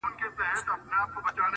د هغوی څټ د جبرائيل د لاس لرگی غواړي;;